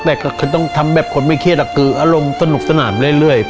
แต่ก็ต้องทำแบบคนไม่เครียดคืออารมณ์สนุกสนานเรื่อย